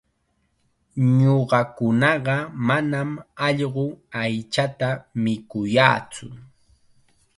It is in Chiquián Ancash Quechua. Ñuqakunaqa manam allqu aychata mikuyaatsu.